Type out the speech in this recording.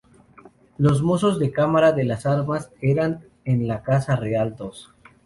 Los "mozos de cámara de las armas" eran en la casa real dos.